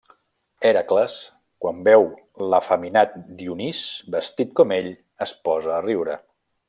Hèracles, quan veu l'efeminat Dionís vestit com ell, es posa a riure.